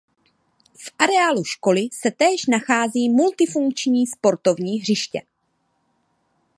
V areálu školy se též nachází multifunkční sportovní hřiště.